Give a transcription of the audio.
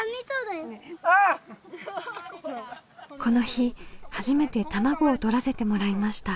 この日初めて卵をとらせてもらいました。